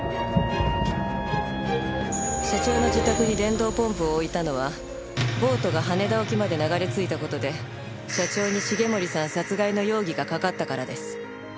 社長の自宅に電動ポンプを置いたのはボートが羽田沖まで流れ着いた事で社長に重森さん殺害の容疑がかかったからです。